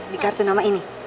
di kartu nama ini